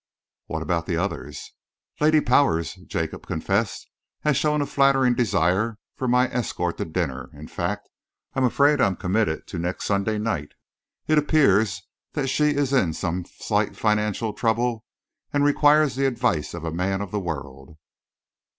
"What about the others?" "Lady Powers," Jacob confessed, "has shown a flattering desire for my escort to dinner; in fact, I am afraid I am committed to next Sunday night. It appears that she is in some slight financial trouble and requires the advice of a man of the world."